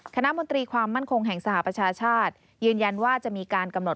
มนตรีความมั่นคงแห่งสหประชาชาติยืนยันว่าจะมีการกำหนด